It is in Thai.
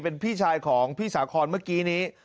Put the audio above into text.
เป็นพี่ชายของพี่สาคอนเมื่อกี้นี้